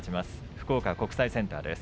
福岡国際センターです。